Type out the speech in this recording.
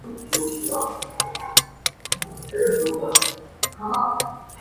出生于犹他州盐湖城在密歇根州底特律长大。